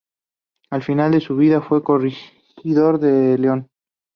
Al final de su vida fue Corregidor de León.